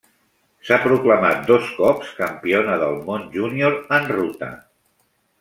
S'ha proclamat dos cops campiona del món júnior en ruta.